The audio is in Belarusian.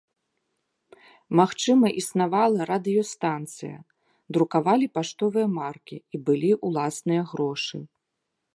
Магчыма існавала радыёстанцыя, друкавалі паштовыя маркі і былі ўласныя грошы.